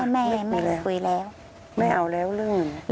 ไม่คุยแล้วไม่เอาแล้วเรื่องนี้